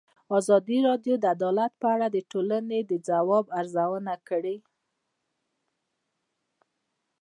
ازادي راډیو د عدالت په اړه د ټولنې د ځواب ارزونه کړې.